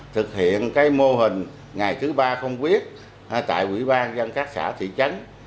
thực hiện cái mô hình ngày thứ ba không quyết tại quỹ ban nhân dân xã thị trấn